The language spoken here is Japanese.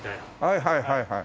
はいはいはいはい。